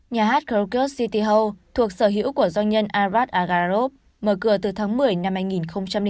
nhà hát kyrgyz tityhul thuộc sở hữu của doanh nhân arad agarov mở cửa từ tháng một mươi năm hai nghìn chín